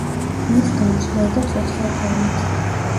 ქმნის გამსვლელ და ცოცხალ ფორმებს.